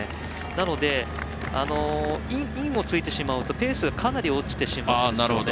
なので、インをついてしまうとペースがかなり落ちてしまうんですよね。